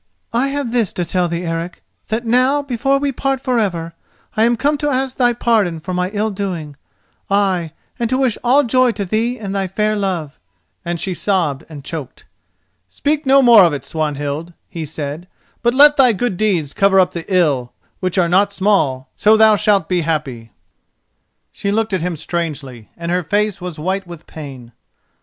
"I have this to tell thee, Eric; that now, before we part for ever, I am come to ask thy pardon for my ill doing—ay, and to wish all joy to thee and thy fair love," and she sobbed and choked. "Speak no more of it, Swanhild," he said, "but let thy good deeds cover up the ill, which are not small; so thou shalt be happy." She looked at him strangely, and her face was white with pain.